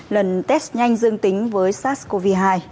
lần test nhanh dương tính với sars cov hai